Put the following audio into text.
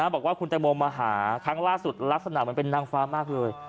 บอกว่าคุณแตงโมมาหาครั้งล่าสุดลักษณะเหมือนเป็นนางฟ้ามากเลย